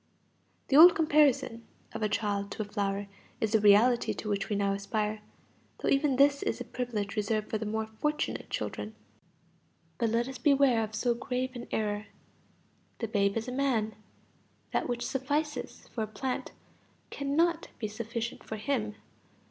The old comparison of a child to a flower is the reality to which we now aspire; though even this is a privilege reserved for the more fortunate children. But let us beware of so grave an error. The babe is a man. That which suffices for a plant cannot be sufficient for him.